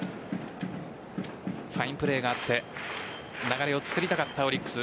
ファインプレーがあって流れを作りたかったオリックス。